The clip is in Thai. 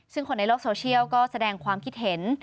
ซึ่งคนในโลกโซเชียลก็แสดงความคิดเห็น